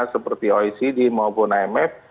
seperti oecd maupun amf